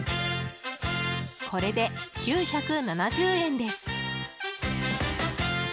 これで、９７０円です。